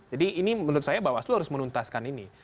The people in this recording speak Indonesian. jadi ini menurut saya bawaslu harus menuntaskan ini